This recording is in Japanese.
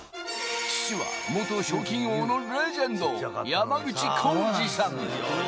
父は元賞金王のレジェンド、山口幸二さん。